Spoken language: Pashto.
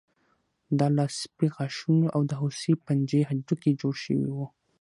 دا له سپي غاښونو او د هوسۍ پنجې هډوکي جوړ شوي وو